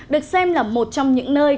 được xem là một trong những nơi